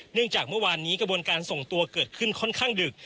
จากเมื่อวานนี้กระบวนการส่งตัวเกิดขึ้นค่อนข้างดึก